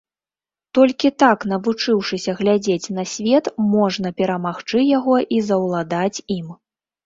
Толькі так навучыўшыся глядзець на свет, можна перамагчы яго і заўладаць ім.